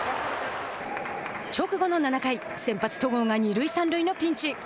直後の７回、先発戸郷が二塁三塁のピンチ。